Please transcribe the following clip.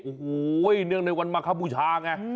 โอ้โหเนื่องในวันมาครับบูชาไง